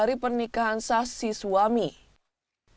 mereka menanggung anaknya mereka menanggung anaknya